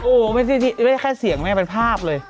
โอ้โหไม่ได้แค่เสียงแม่เป็นภาพเลย